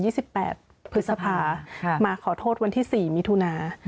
เหตุเกิด๒๘พฤษภามาขอโทษวันที่๔มิถุนา